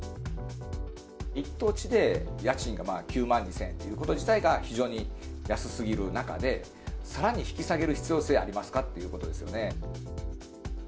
一等地で家賃が９万２０００円ということ自体が非常に安すぎる中で、さらに引き下げる必要性ありますかっていうことですよね。